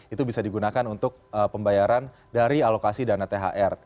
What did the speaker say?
itu bisa digunakan untuk pembayaran dari alokasi dana thr